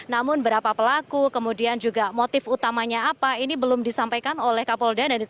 namun berapa pelaku kemudian juga motif utamanya apa ini belum disampaikan oleh kapolda